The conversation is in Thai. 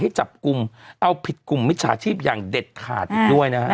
จับกลุ่มเอาผิดกลุ่มมิจฉาชีพอย่างเด็ดขาดอีกด้วยนะฮะ